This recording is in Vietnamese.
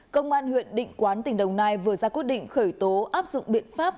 công an huyện định quán tỉnh đồng nai vừa ra quyết định khởi tố áp dụng biện pháp